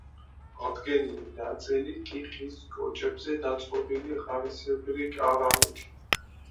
აღდგენილი ნაწილი კი ხის კოჭებზე დაწყობილი ღარისებრი კრამიტით.